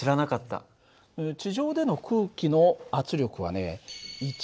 地上での空気の圧力はね